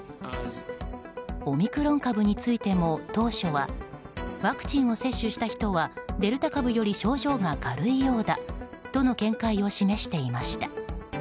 オミクロン株についても当初はワクチンを接種した人はデルタ株より症状が軽いようだとの見解を示していました。